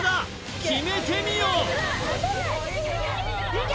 いけ！